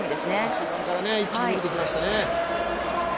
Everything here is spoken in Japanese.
中盤から一気に伸びてきましたね。